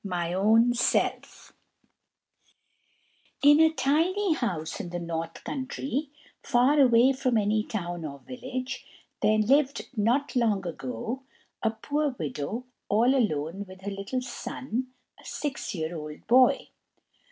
My Own Self In a tiny house in the North Countrie, far away from any town or village, there lived not long ago, a poor widow all alone with her little son, a six year old boy.